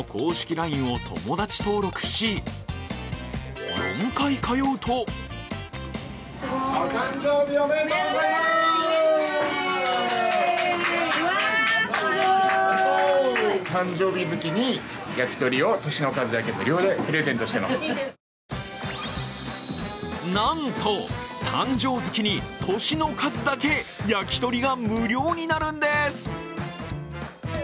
ＬＩＮＥを友だち登録し、４回通うとなんと誕生月に年の数だけ焼き鳥が無料になるんです。